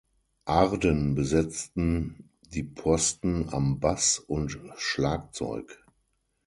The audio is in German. Arden besetzten die Posten am Bass und Schlagzeug.